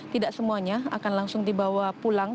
tidak semuanya akan langsung dibawa pulang